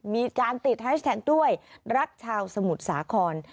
มีการติดแฮชแท็กด้วยรักชาวสมุทรสาคร